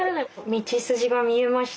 道筋が見えました。